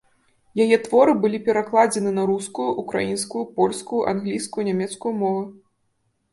Яе творы былі перакладзены на рускую, украінскую, польскую, англійскую, нямецкую мовы.